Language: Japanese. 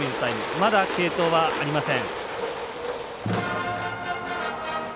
まだ、継投はありません。